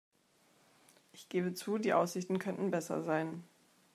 Ich gebe zu, die Aussichten könnten besser sein.